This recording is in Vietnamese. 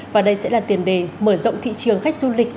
và đây sẽ là tiền đề mở rộng thị trường khách du lịch